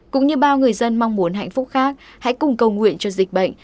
cũng như bao người dân mong muốn hạnh phúc khác hãy cùng cầu nguyện cho dịch bệnh